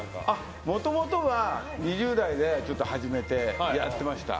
もともとは２０代で始めてやってました。